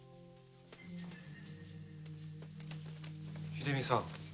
秀美さん